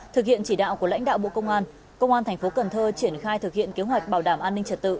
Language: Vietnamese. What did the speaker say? thực hiện chỉ đạo của lãnh đạo bộ công an công an thành phố cần thơ triển khai thực hiện kế hoạch bảo đảm an ninh trật tự